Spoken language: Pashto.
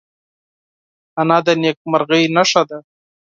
انا د نیکمرغۍ نښه ده